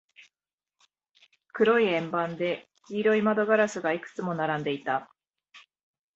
黒い円盤で、黄色い窓ガラスがいくつも並んでいた。